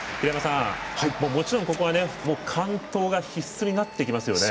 もちろん、ここは完登が必須になってきますよね。